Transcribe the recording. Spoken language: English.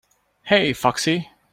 Hey Foxy!